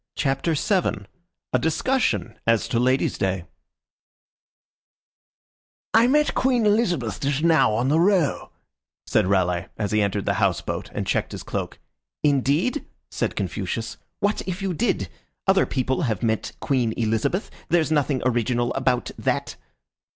CHAPTER VII: A DISCUSSION AS TO LADIES' DAY "I met Queen Elizabeth just now on the Row," said Raleigh, as he entered the house boat and checked his cloak. "Indeed?" said Confucius. "What if you did? Other people have met Queen Elizabeth. There's nothing original about that."